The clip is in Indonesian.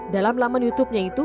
dalam laman youtubenya itu